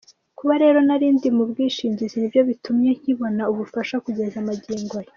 Kuba rero nari ndi mu bwishingizi ni byo bitumye nkibona ubufasha kugeza magingo aya.